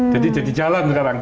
jadi jadi jalan sekarang